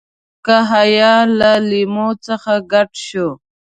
له حیا له لیمو څخه کډه شو.